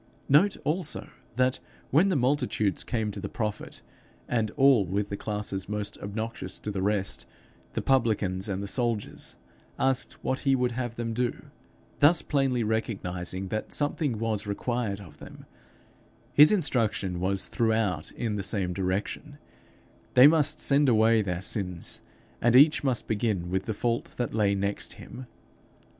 Note also, that, when the multitudes came to the prophet, and all, with the classes most obnoxious to the rest, the publicans and the soldiers, asked what he would have them do thus plainly recognizing that something was required of them his instruction was throughout in the same direction: they must send away their sins; and each must begin with the fault that lay next him.